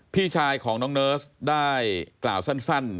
พี่ชายของน้องเนิร์สได้กล่าวสั้น